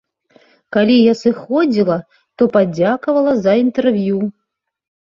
Калі я сыходзіла, то падзякавала за інтэрв'ю.